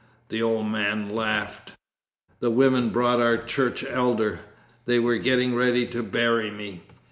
(The old man laughed.) 'The women brought our church elder. They were getting ready to bury me.